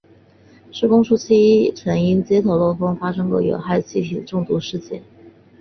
施工初期曾因接头漏风发生过有害气体中毒事故。